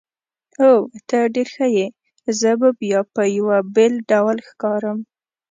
اوه، ته ډېر ښه یې، زه به بیا په یوه بېل ډول ښکارم.